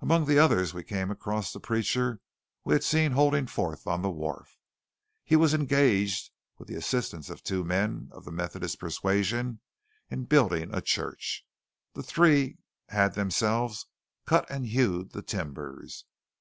Among the others we came across the preacher we had seen holding forth on the wharf. He was engaged, with the assistance of two men of the Methodist persuasion, in building a church. The three had themselves cut and hewed the timbers.